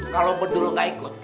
kalo betul gak ikut